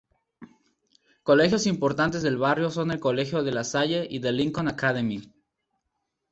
Colegios importantes del barrio son el Colegio De La Salle y The Lincoln Academy.